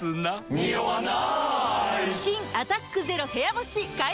ニオわない！